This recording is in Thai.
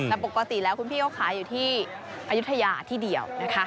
แต่ปกติแล้วคุณพี่เขาขายอยู่ที่อายุทยาที่เดียวนะคะ